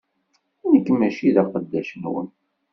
Nekk mačči d aqeddac-nwen.